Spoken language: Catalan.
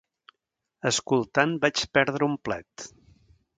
Escoltant vaig perdre un plet.